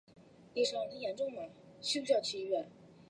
羊汤是一道以羊骨和羊杂为主料熬制而成的汤。